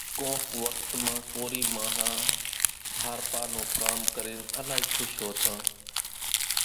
ڪونڪ وکت مان ڪورِي ماڻۿان هارپا نون ڪام ڪرينَ الائِي کُش هوتان۔